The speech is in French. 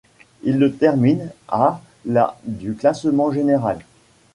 Il le termine, à la du classement général.